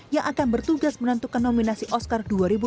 yang akan bertugas menentukan nominasi oscar dua ribu dua puluh